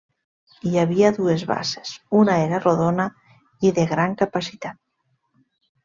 Hi havia dues basses, una era rodona i de gran capacitat.